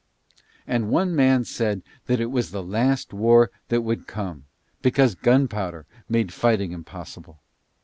And one man said that it was the last war that would come, because gunpowder made fighting impossible.